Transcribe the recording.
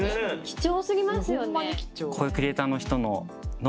貴重すぎますよね。